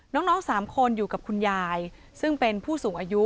น้องสามคนอยู่กับคุณยายซึ่งเป็นผู้สูงอายุ